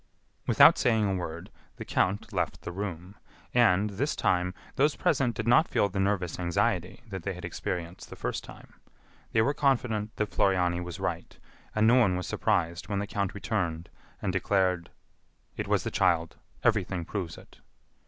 Without saying a word, the count left the room; and, this time, those present did not feel the nervous anxiety they had experienced the first time. They were confident that Floriani was right, and no one was surprised when the count returned and declared: "It was the child. Everything proves it."